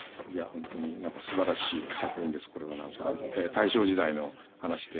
大正時代の話で。